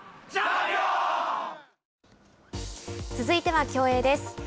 続いては競泳です。